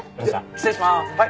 失礼します。